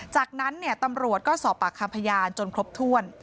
จากนั้นตำรวจก็สอบปากคำพยานจนครบถ้วน